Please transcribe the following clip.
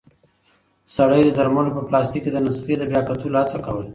سړی د درملو په پلاستیک کې د نسخې د بیا کتلو هڅه کوله.